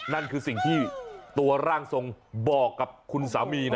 นั่นคือสิ่งที่ตัวร่างทรงบอกกับคุณสามี